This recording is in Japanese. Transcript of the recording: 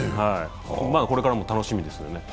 これからも楽しみですよね。